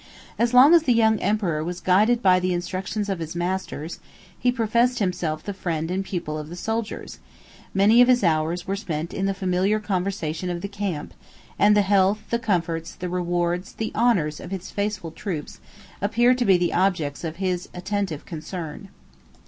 As long as the young emperor was guided by the instructions of his masters, he professed himself the friend and pupil of the soldiers; many of his hours were spent in the familiar conversation of the camp; and the health, the comforts, the rewards, the honors, of his faithful troops, appeared to be the objects of his attentive concern.